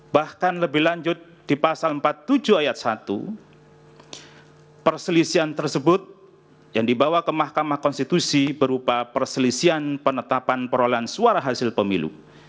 bahkan lebih lanjut di pasal empat puluh tujuh ayat satu perselisihan tersebut yang dibawa ke mahkamah konstitusi berupa perselisian penetapan perolehan suara hasil pemilu